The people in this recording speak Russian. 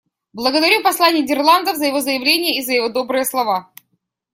Благодарю посла Нидерландов за его заявление и за его добрые слова.